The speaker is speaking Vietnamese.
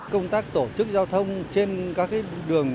công tác tổ chức giao thông trên các đường